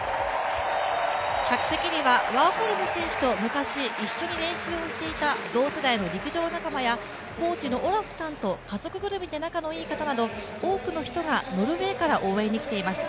客席にはワーホルム選手と昔、一緒に練習していた同世代の陸上仲間や、コーチのオラフさんと家族ぐるみで仲のいい人など多くの人がノルウェーから応援に来ています。